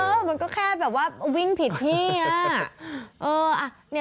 เออมันก็แค่วิ่งผิดพี่น่ะ